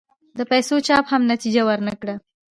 د پیسو چاپ هم نتیجه ور نه کړه.